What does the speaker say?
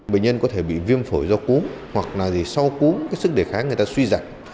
bệnh nhân có thể bị viêm phổi do cúm hoặc là sau cúm sức đề khái người ta suy giặt